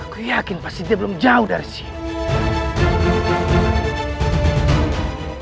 aku yakin pasti dia belum jauh dari sini